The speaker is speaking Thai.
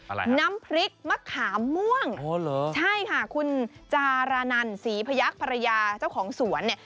อะไรน้ำพริกมะขามม่วงอ๋อเหรอใช่ค่ะคุณจารานันศรีพยักษ์ภรรยาเจ้าของสวนเนี่ย